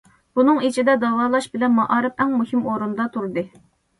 بۇنىڭ ئىچىدە داۋالاش بىلەن مائارىپ ئەڭ مۇھىم ئورۇندا تۇردى.